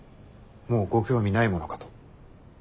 もうご興味ないものかと。